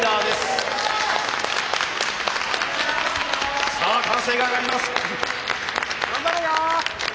頑張れよ！